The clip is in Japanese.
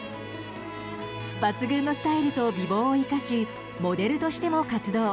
抜群のスタイルと美貌を生かしモデルとしても活動。